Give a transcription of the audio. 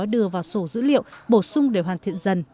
đưa vào sổ dữ liệu bổ sung để hoàn thiện dần